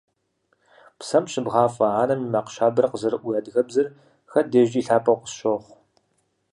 Псэм щыбгъафӀэ анэм и макъ щабэр къызэрыӀу уи адыгэбзэр хэт дежкӀи лъапӀэу къысщохъу.